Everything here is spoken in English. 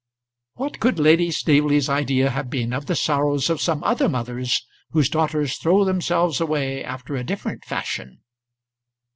What could Lady Staveley's idea have been of the sorrows of some other mothers, whose daughters throw themselves away after a different fashion?